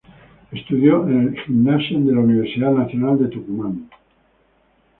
Estudió en el Gymnasium de la Universidad Nacional de Tucumán.